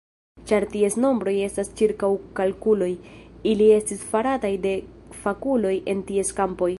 Ĉar ties nombroj estas ĉirkaŭkalkuloj, ili estis farataj de fakuloj en ties kampoj.